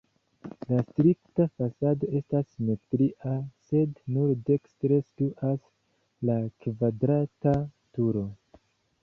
La strikta fasado estas simetria, sed nur dekstre situas la kvadrata turo.